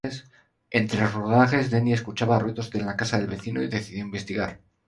Entre rodajes, Denny escuchaba ruidos en la casa del vecino y decidió investigar.